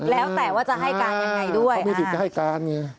แล้วแต่ว่าจะให้การยังไงด้วย